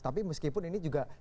tapi meskipun ini juga